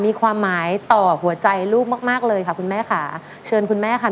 มีความหมายต่อหัวใจลูกมากมากเลยค่ะคุณแม่ค่ะเชิญคุณแม่ค่ะ